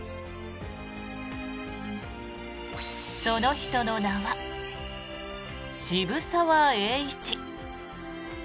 その人の名は渋沢栄一。